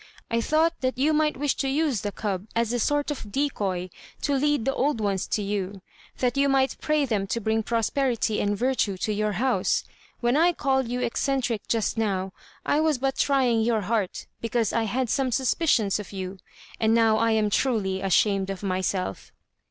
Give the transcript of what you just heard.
I thought that you might wish to use the cub as a sort of decoy to lead the old ones to you, that you might pray them to bring prosperity and virtue to your house. When I called you eccentric just now, I was but trying your heart, because I had some suspicions of you; and now I am truly ashamed of myself."